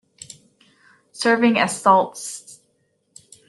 Serving as Sault Ste.